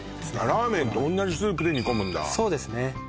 ラーメンと同じスープで煮込むんだそうですね